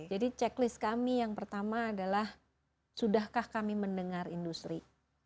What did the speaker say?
jadi checklist kami yang pertama adalah sudahkah kami mendengar industri